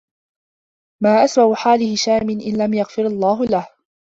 مَا أَسْوَأُ حَالِ هِشَامٍ إنْ لَمْ يَغْفِرْ اللَّهُ لَهُ